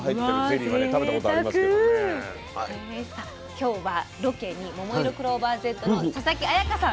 今日はロケにももいろクローバーＺの佐々木彩夏さん